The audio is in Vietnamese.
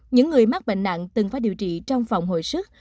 những người mắc bệnh nặng từng phải điều trị trong phòng hồi sức